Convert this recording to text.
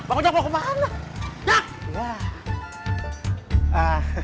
bangun ya bawa kemana